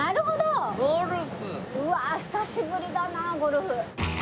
うわあ久しぶりだなゴルフ。